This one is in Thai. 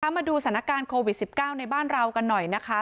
มาดูสถานการณ์โควิด๑๙ในบ้านเรากันหน่อยนะคะ